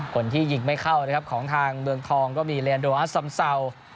คนที่หยิงไม่เข้าของทางเมืองทองก็มีเรนโดรสัมเสา